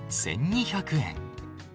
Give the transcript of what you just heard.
１２００円。